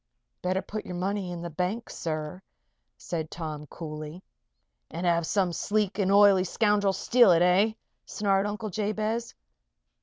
"Better put your money in the bank, sir," said Tom, coolly. "And have some sleek and oily scoundrel steal it, eh?" snarled Uncle Jabez.